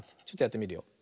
ちょっとやってみるよ。